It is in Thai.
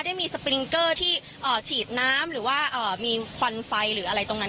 ได้มีสปริงเกอร์ที่ฉีดน้ำหรือว่ามีควันไฟหรืออะไรตรงนั้น